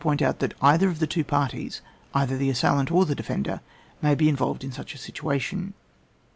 point out that either of the two parties, either the assailant or the defender, may be involved in such a situation.